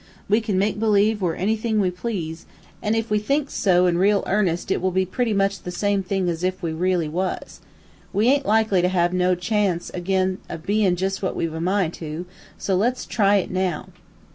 We can make believe we're anything we please, an' if we think so in real earnest it will be pretty much the same thing as if we really was. We aint likely to have no chance ag'in of being jus' what we've a mind to, an' so let's try it now.'